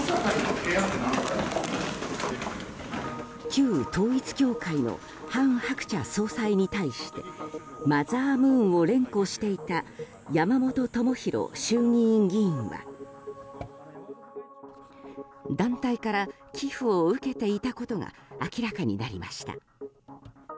旧統一教会の韓鶴子総裁に対してマザームーンを連呼していた山本朋広衆議院議員は団体から寄付を受けていたことが明らかになりました。